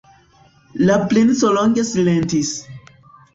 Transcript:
La princo longe silentis.